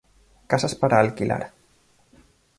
Casas para alquilar